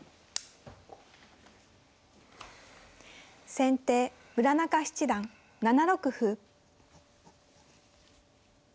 先手村中七段７六歩。